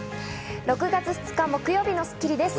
６月２日、木曜日の『スッキリ』です。